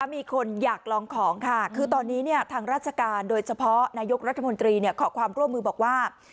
มีคนอยากลองของค่ะคือตอนนี้ทางราชการโดยเฉพาะนายกรัฐมนตรีขอความร่วมมือบอกว่า